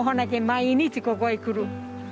毎日ここへ来る。